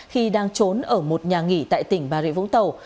khi đang trốn ở một nhà nghỉ tại tỉnh bà rịa vũng tàu